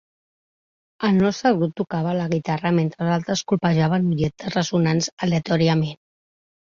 El nostre grup tocava la guitarra mentre els altres colpejaven objectes ressonants aleatòriament.